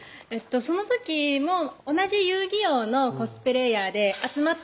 その時も同じ遊戯王のコスプレーヤー